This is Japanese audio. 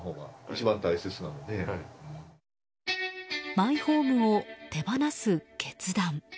マイホームを手放す決断。